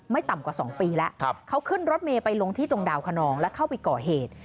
ต่ำกว่า๒ปีแล้วเขาขึ้นรถเมย์ไปลงที่ตรงดาวคนนองแล้วเข้าไปก่อเหตุ